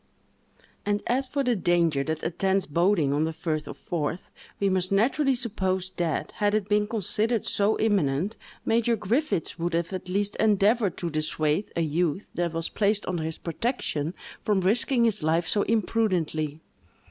And as for the danger that attends boating on the firth of Forth, we must naturally suppose that, had it been considered so imminent, Major Griffiths would have at least endeavored to dissuade a youth that was placed under his protection from risking his life so imprudently.